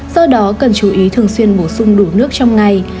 do đó cần chú ý thường xuyên bổ sung đủ nước trong ngày